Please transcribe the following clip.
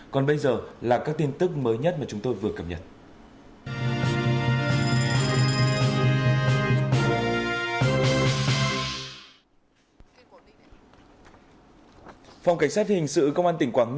còn bây giờ là các tin tức mới nhất mà chúng tôi vừa cập nhật